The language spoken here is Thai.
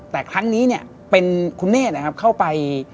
แต่ครั้งนี้เป็นคุณเนธเข้าไป